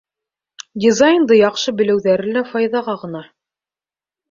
Дизайнды яҡшы белеүҙәре лә файҙаға ғына.